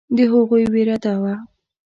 د هغوی وېره دا وه.